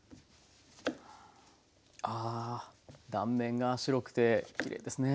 あ断面が白くてきれいですね。